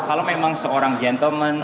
kalau memang seorang gentleman